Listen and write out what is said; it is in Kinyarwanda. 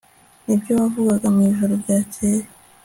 Nibyo wavugaga mwijoro ryakeye